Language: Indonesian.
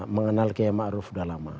mengenal kiai maruf sudah lama